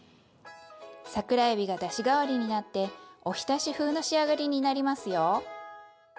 桜えびがだし代わりになっておひたし風の仕上がりになりますよ。